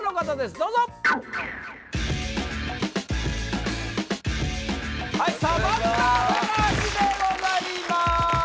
どうぞはいサバンナ高橋でございます